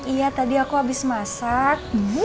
iya tadi aku habis masak